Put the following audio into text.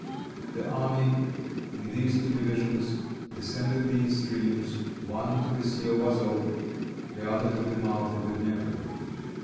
The army, in these two divisions, descended these streams, one to the Sea of Azof, the other to the mouth of the Dnieper.